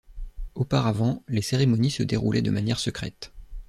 Auparavant les cérémonies se déroulaient de manière secrète.